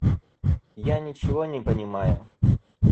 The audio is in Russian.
Я ничего не понимаю.